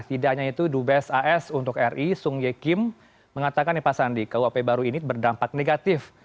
tidak hanya itu dubes as untuk ri sung ye kim mengatakan ya pak sandi kuap baru ini berdampak negatif